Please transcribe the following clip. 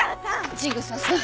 千草さん！